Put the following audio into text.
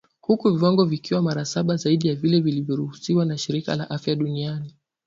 huku viwango vikiwa mara saba zaidi ya vile vinavyoruhusiwa na shirika la afya duniani